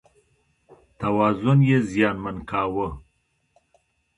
توازن یې زیانمن کاوه.